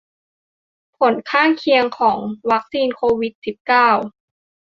ผลข้างเคียงของวัคซีนโควิดสิบเก้า